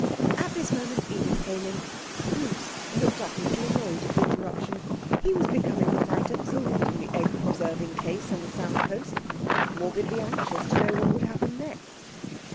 At this moment Edith came in. Bruce looked up a little annoyed at the interruption. He was becoming quite absorbed in the egg preserving case on the south coast, and morbidly anxious to know what would happen next.